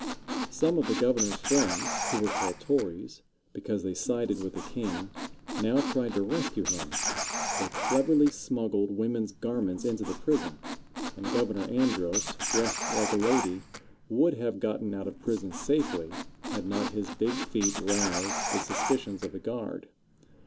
Some of the governor's friends, who were called Tories, because they sided with the king, now tried to rescue him. They cleverly smuggled women's garments into the prison, and Governor Andros, dressed like a lady, would have gotten out of prison safely had not his big feet roused the suspicions of the guard.